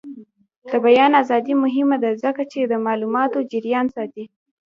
د بیان ازادي مهمه ده ځکه چې د معلوماتو جریان ساتي.